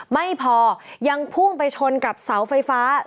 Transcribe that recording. ไม่พอยังพุ่งไปชนกับเสาไฟฟ้า